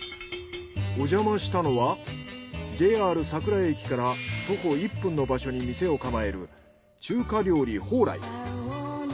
おじゃましたのはＪＲ佐倉駅から徒歩１分の場所に店を構える中華料理宝来。